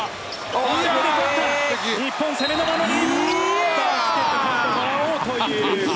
日本攻めの守り。